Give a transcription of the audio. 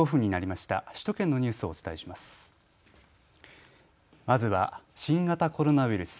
まずは新型コロナウイルス。